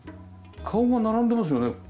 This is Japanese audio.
顔が並んでますよね。